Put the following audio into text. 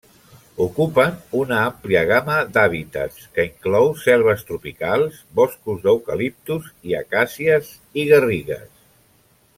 Ocupen una àmplia gamma d'hàbitats, que inclou selves tropicals, boscos d'eucaliptus i acàcies, i garrigues.